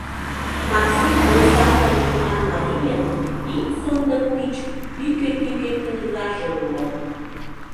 Максим Ойсандыр лӱман марийын ик сондык тич тӱкӧ-тӱкӧ книгаже уло.